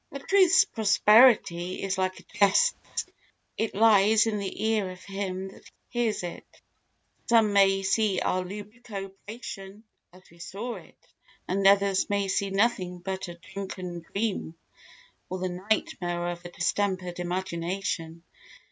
A truth's prosperity is like a jest's, it lies in the ear of him that hears it. Some may see our lucubration as we saw it; and others may see nothing but a drunken dream, or the nightmare of a distempered imagination.